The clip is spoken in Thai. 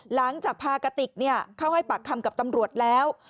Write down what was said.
หลังจากพากติกเข้าให้ปากคำกับตำรวจแล้ว